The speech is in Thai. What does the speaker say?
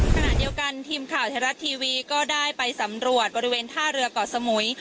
ขณะเดียวกันทีมข่าวไทยรัฐทีวีก็ได้ไปสำรวจบริเวณท่าเรือเกาะสมุย